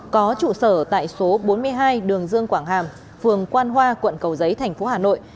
có trụ sở tại số bốn mươi hai đường dương quảng hàm phường quan hoa quận cầu giấy thành phố hà nội